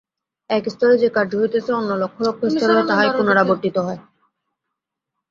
এক স্তরে যে কার্য হইতেছে, অন্য লক্ষ লক্ষ স্তরেও তাহাই পুনরাবর্তিত হয়।